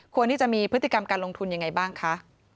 ที่จะมีพฤติกรรมการลงทุนยังไงบ้างคะ